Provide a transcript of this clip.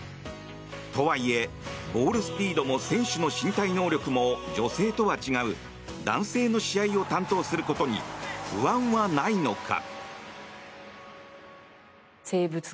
とはいえ、ボールスピードも選手の身体能力も女性とは違う男性の試合を担当することに不安はないのか。